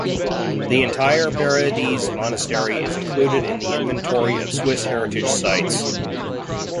The entire "Paradies" monastery is included in the Inventory of Swiss Heritage Sites.